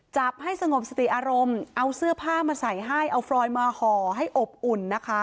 จับให้สงบสติอารมณ์เอาเสื้อผ้ามาใส่ให้เอาฟรอยมาห่อให้อบอุ่นนะคะ